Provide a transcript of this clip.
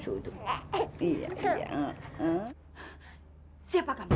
aku tahu setelah hidup aku baru mendengarkan kesalahan